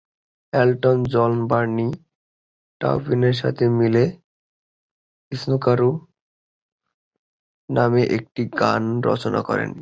Elton John Bernie টাউপিনের সাথে মিলে "স্নুকারু" নামে একটি গান রচনা করেন।